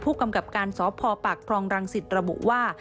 ผู้กำกับการสพปรองรังศิษย์ระบุว่า